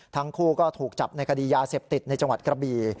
ทั้งคู่ก็ถูกจับในคดียาเสพติดในจังหวัดกระบี